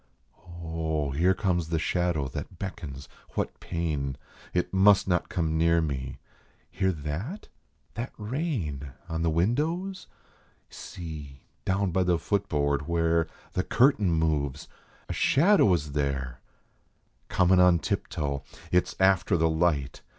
Oh, here comes the shadow that beckons what pain ? It must not come near me ! Hear that? That rain On the windows? See, down by the foot board, where The curtain moves ! A shadow is there, Comin on tiptoe ! It s after the light.